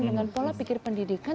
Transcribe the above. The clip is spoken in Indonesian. dengan pola pikir pendidikan